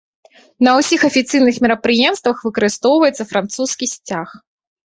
На ўсіх афіцыйных мерапрыемствах выкарыстоўваецца французскі сцяг.